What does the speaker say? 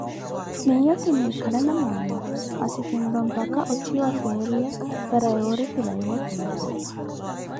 Miiyo kiniikhala na maama, masi kinlopaka otthiwa feriya para yoori kilawe wa piipi.